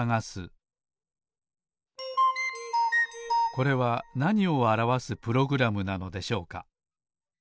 これはなにをあらわすプログラムなのでしょうか？